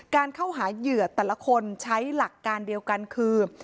การเข้าหาเหยื่อแต่ละคนใช้หลักการเดียวกันคือ